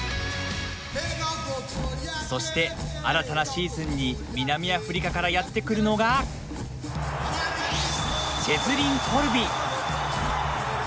そして新たなシーズンに南アフリカからやって来るのがチェズリン・コルビ。